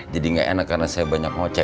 jadi nggak enak karena saya banyak ngoceh